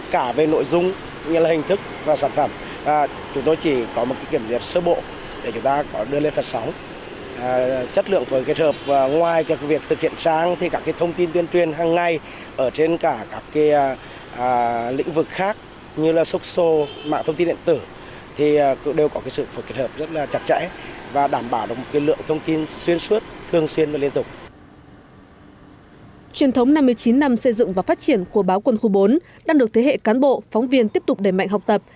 chuyên thống năm mươi chín năm xây dựng và phát triển của báo quân khu bốn đang được thế hệ cán bộ phóng viên tiếp tục đẩy mạnh học tập